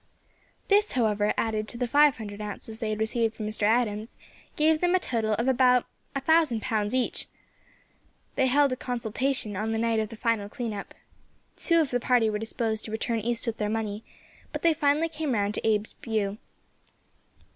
This, however, added to the five hundred ounces they had received from Mr. Adams, gave them a total of about a thousand pounds each. They held a consultation on the night of the final clean up. Two of the party were disposed to return east with their money, but they finally came round to Abe's view.